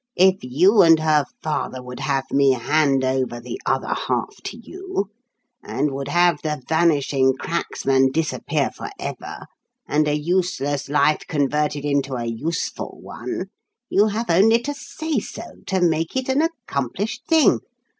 If you and her father would have me hand over the other half to you, and would have 'The Vanishing Cracksman' disappear forever, and a useless life converted into a useful one, you have only to say so to make it an accomplished thing.